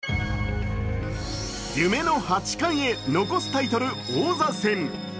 夢の八冠へ残すタイトル、王座戦。